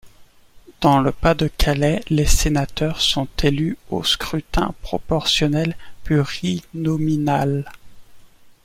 Dans le Pas-de-Calais, les sénateurs sont élus au scrutin proportionnel plurinominal.